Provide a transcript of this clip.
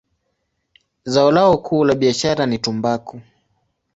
Zao lao kuu la biashara ni tumbaku.